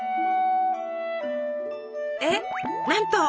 えっなんと！